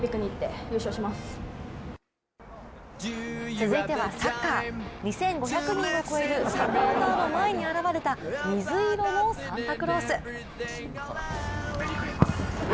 続いてはサッカー２５００人を超えるサポーターの前に現れた水色のサンタクロース。